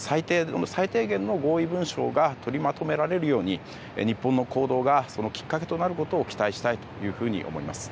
最低限の合意文書が取りまとめられるように日本の行動がそのきっかけとなることを期待したいと思います。